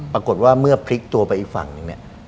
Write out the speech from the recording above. ปรากฏว่าเมื่อพลิกตัวไปอีกฝั่งหนึ่งเนี่ย